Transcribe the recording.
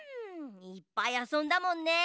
いっぱいあそんだもんね。